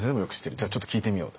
じゃあちょっと聞いてみようと。